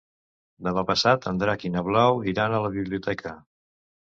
Demà passat en Drac i na Blau iran a la biblioteca.